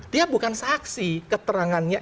dia bukan saksi keterangannya